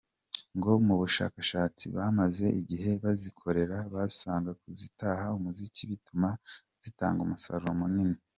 Ngo mu bushakashatsi bamaze igihe bazikorera basanga kuzihata umuziki bituma zitanga umusaruro munini.